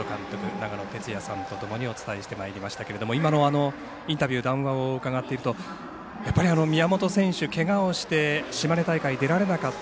長野哲也さんとともにお伝えしてまいりましたけども今のインタビュー、談話を伺っているとやっぱり宮本選手、けがをして島根大会出られなかった。